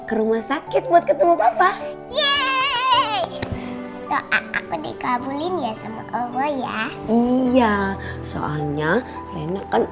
ikut rumah sakit buat ketemu papa yeay doa aku dikabulin ya sama allah ya iya soalnya rena kan